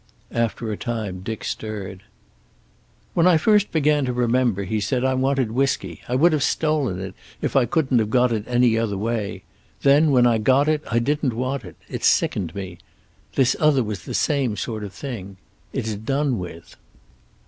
After a time Dick stirred. "When I first began to remember," he said, "I wanted whisky. I would have stolen it, if I couldn't have got it any other way. Then, when I got it, I didn't want it. It sickened me. This other was the same sort of thing. It's done with."